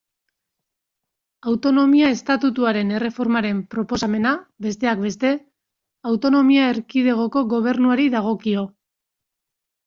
Autonomia Estatutuaren erreformaren proposamena, besteak beste, autonomia erkidegoko gobernuari dagokio.